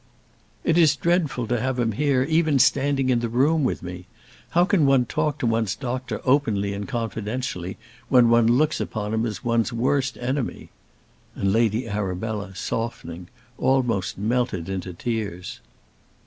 "It is dreadful to have him here, even standing in the room with me. How can one talk to one's doctor openly and confidentially when one looks upon him as one's worst enemy?" And Lady Arabella, softening, almost melted into tears.